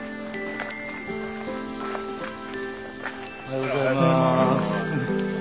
おはようございます。